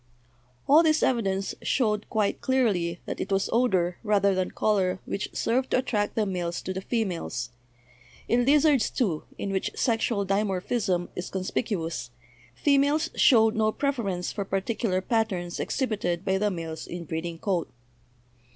All this evidence showed quite clearly that it was odor rather than color which served to attract the males to the females. In lizards, too, in which sexual dimorphism is conspicuous, females showed no preference for particular patterns exhibited by the males in breeding coat.